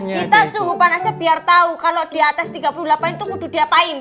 kita suhu panasnya biar tahu kalau di atas tiga puluh delapan itu mau diapain